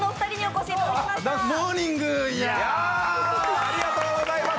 ありがとうございます。